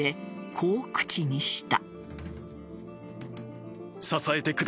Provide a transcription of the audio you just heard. こう口にした。